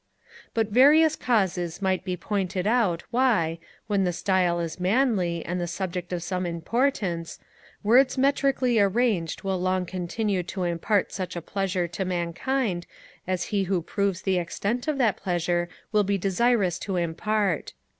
But various causes might be pointed out why, when the style is manly, and the subject of some importance, words metrically arranged will long continue to impart such a pleasure to mankind as he who proves the extent of that pleasure will be desirous to impart.